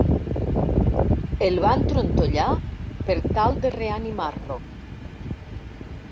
El van trontollar per tal de reanimar-lo.